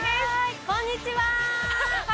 こんにちは！